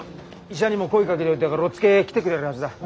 医者にも声かけておいたからおっつけ来てくれるはずだ。